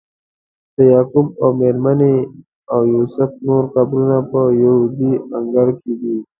د یعقوب او میرمنې او یوسف نور قبرونه په یهودي انګړ کې دي.